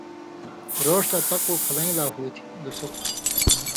روݜ لاپقُّو پھلَیں لا ہو تھی (دُسُق)؛